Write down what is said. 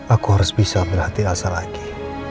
aku harus bisa berhati hati asal lagi